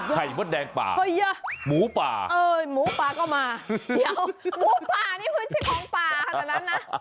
มดแดงป่าหมูป่าเอ้ยหมูป่าก็มาเดี๋ยวหมูป่านี่ไม่ใช่ของป่าขนาดนั้นนะ